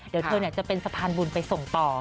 เดี๋ยวเธอจะเป็นสะพานบุญไปส่งต่อ